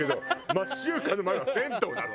町中華の前は銭湯なの？